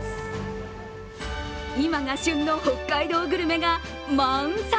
今が旬の北海道グルメが満載。